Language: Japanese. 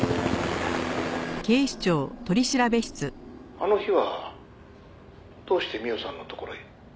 「あの日はどうして美緒さんのところへ？」